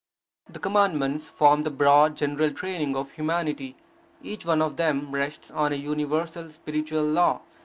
The Commandments form the broad general training of humanity. Each one of them rests on a universal, spiritual law.